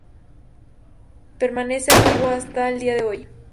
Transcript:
Permanece activo hasta el día de hoy.